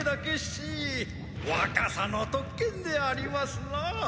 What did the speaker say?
若さの特権でありますなあ。